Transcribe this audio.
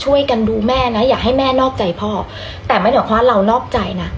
ช่วยกันดูแม่นะอย่าให้แม่นอกใจพ่อแต่ไม่ได้หมายความว่าเรานอกใจนะ